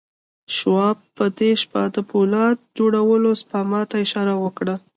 شواب په دې شپه د پولاد جوړولو سپما ته اشاره وکړه